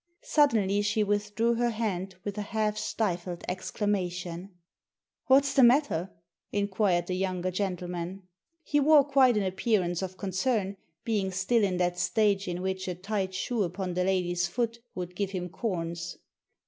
Suddenly she withdrew her hand with a half stifled exclamation. " What's the matter ?" inquired the younger gentle man. He wore quite an appearance of concern, being still in that stage in which a tight shoe upon the lady's foot would give him corns.